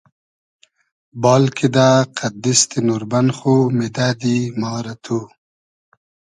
بال کیدۂ قئد دیستی نوربئن خو میدئدی ما رۂ تو